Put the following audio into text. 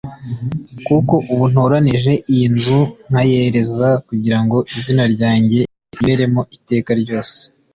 kuko ubu ntoranije iyi nzu nkayereza kugira ngo izina ryanjye riyiberemo iteka ryose